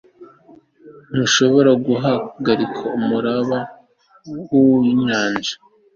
Ntushobora guhagarika umuraba winyanja